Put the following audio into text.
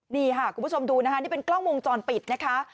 นี่ค่ะคุณผู้ชมดูนะคะนี่เป็นกล้องวงจรปิดนะคะ